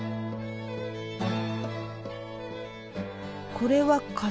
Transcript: これは絣？